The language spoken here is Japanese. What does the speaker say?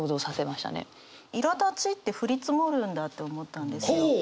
「苛立ち」って降り積もるんだって思ったんですよ。